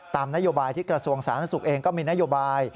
ตามนโยบายที่กระทรวงศาสตร์นักศูกร์เองก็มีนโยบาย